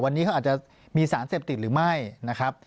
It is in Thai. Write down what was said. วันนี้เขาอาจจะมีสารเสพติดหรือไม่นะครับ